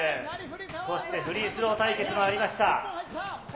そしてフリースロー対決もありました。